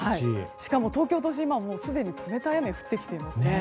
しかも東京都心は、すでに冷たい雨が降ってきていますね。